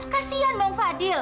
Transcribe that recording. kasian ma fadil